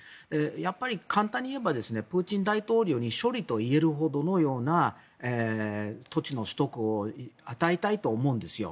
やっぱり簡単に言えばプーチン大統領に勝利といえるような土地の取得を与えたいと思うんですよ。